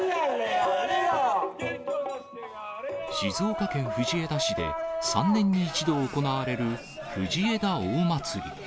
静岡県藤枝市で３年に１度行われる藤枝大祭り。